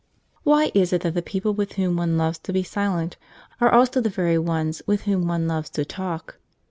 (Why is it that the people with whom one loves to be silent are also the very ones with whom one loves to talk?)